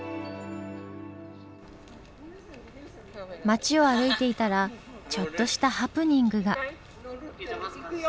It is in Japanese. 街を歩いていたらちょっとしたハプニングが。